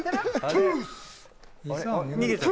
トゥース！